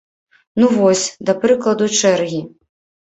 Ну, вось, да прыкладу, чэргі.